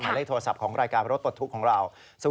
เลขโทรศัพท์ของรายการรถปลดทุกข์ของเรา